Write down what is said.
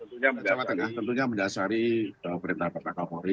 baik polda jawa tengah tentunya mendasari perintah pak kapolri